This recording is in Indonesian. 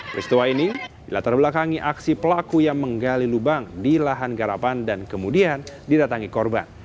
peristiwa ini dilatar belakangi aksi pelaku yang menggali lubang di lahan garapan dan kemudian didatangi korban